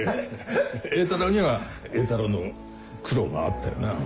榮太郎には榮太郎の苦労があったよな。